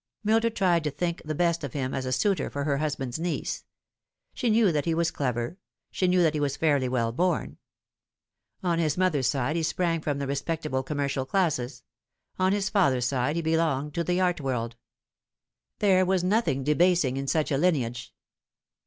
Mildred tried to think the best of him as a suitor for her husband's niece. She knew that he was clever ; she knew that he was fairly well born. On his mother's side he sprang from the respectable commercial classes ; on his father's side he belonged to the art world. There was nothing debasing in such a lineage.